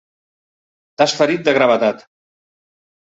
T'has ferit de gravetat.